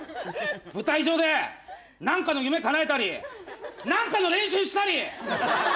舞台上で何かの夢かなえたり何かの練習したり。